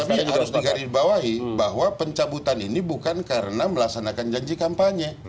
tapi harus dikari bawahi bahwa pencabutan ini bukan karena melaksanakan janji kampanye